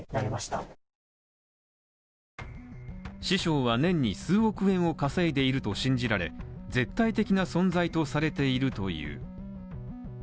師匠は年に数億円を稼いでいると信じられ絶対的な存在とされているという。